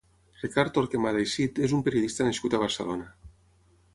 Ricard Torquemada i Cid és un periodista nascut a Barcelona.